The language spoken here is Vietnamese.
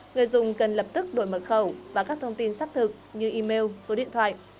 người dùng cần lập tức đổi mật khẩu và các thông tin xác thực như email số điện thoại